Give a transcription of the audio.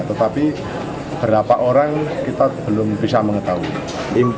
tetapi berapa orang kita belum bisa mengetahui